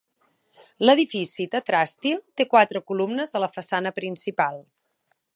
L'edifici tetràstil té quatre columnes a la façana principal.